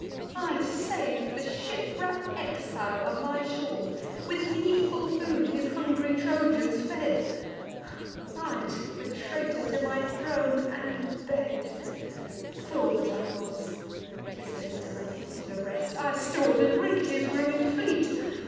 I sav'd the shipwreck'd exile on my shore; With needful food his hungry Trojans fed; I took the traitor to my throne and bed: Fool that I was—— 'tis little to repeat The rest, I stor'd and rigg'd his ruin'd fleet.